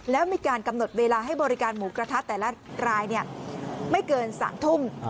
แล้วมีการกำหนดเวลาให้บริการหมูกระทะแต่ละรายไม่เกิน๓ทุ่ม